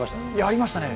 ありましたね。